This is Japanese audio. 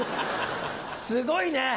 すごいね。